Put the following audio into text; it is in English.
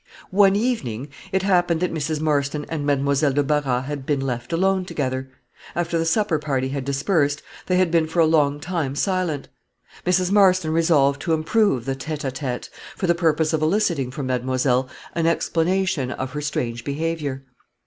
One evening, it happened that Mrs. Marston and Mademoiselle de Barras had been left alone together. After the supper party had dispersed, they had been for a long time silent. Mrs. Marston resolved to improve the Tate à Tate, for the purpose of eliciting from mademoiselle an explanation of her strange behavior.